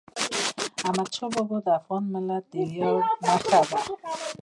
احمدشاه بابا د افغان ملت د ویاړ نښه ده.